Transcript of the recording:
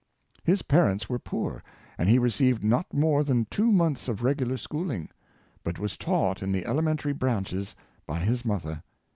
His parents were poor, and he received not more than two months of regular schooling, but was taught in the elementaj y branches by his mother.